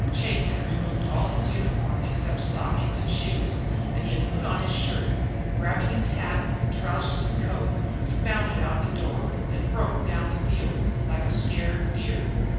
Chase had removed all his uniform except stockings and shoes, and he had put on his shirt. Grabbing up his hat, trousers, and coat, he bounded out of the door and broke down the field like a scared deer.